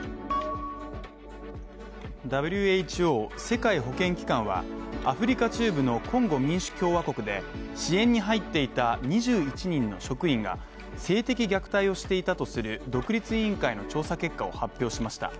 ＷＨＯ＝世界保健機関はアフリカ中部のコンゴ民主共和国で支援に入っていた２１人の職員が性的虐待をしていたとする独立委員会の調査結果を発表しました。